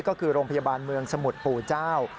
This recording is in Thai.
ก็คือโรงพยาบาลเมืองสมุทรปู่เจ้า